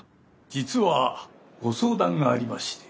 実はご相談がありまして。